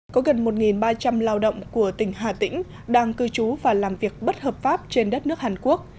có gần một ba trăm linh lao động của tỉnh hà tĩnh đang cư trú và làm việc bất hợp pháp trên đất nước hàn quốc